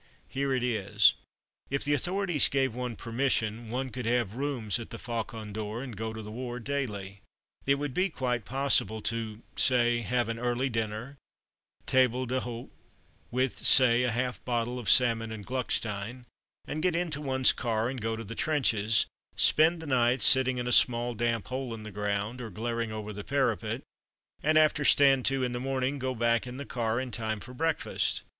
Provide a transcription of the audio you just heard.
Here it is: If the authorities gave one permission, one could have rooms at the Faucon d'Or and go to the war daily. It would be quite possible to, say, have an early dinner, table d'hote (with, say, a half bottle of Salmon and Gluckstein), get into one's car and go to the trenches, spend the night sitting in a small damp hole in the ground, or glaring over the parapet, and after "stand to" in the morning, go back in the car in time for breakfast.